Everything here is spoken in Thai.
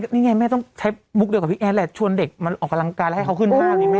นี่ไงแม่ต้องใช้บุ๊กเดียวกับพี่แอนชวนเด็กมาออกกำลังกาย